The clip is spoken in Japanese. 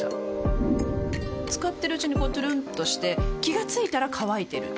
使ってるうちにこうトゥルンとして気が付いたら乾いてる